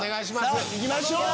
行きましょう！